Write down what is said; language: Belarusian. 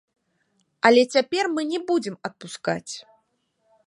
Але мы цяпер не будзем адпускаць.